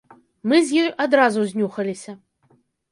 Мы з ёй адразу знюхаліся.